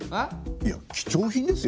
いや貴重品ですよ？